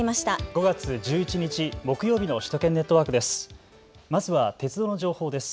５月１１日、木曜日の首都圏ネットワークです。